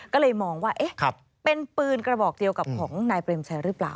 ก็เลยมองว่าเป็นปืนกระบอกเดียวกับของนายเปรมชัยหรือเปล่า